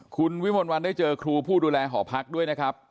คุณวิมลวันได้เจอครูผู้ดูแลหอพักด้วยนะครับ